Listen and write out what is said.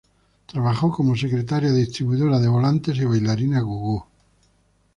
Trabajó como secretaria, distribuidora de volantes, y bailarina gogó.